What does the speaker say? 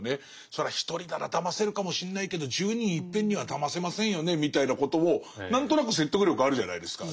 それは１人ならだませるかもしんないけど１０人いっぺんにはだませませんよねみたいなことを何となく説得力あるじゃないですか。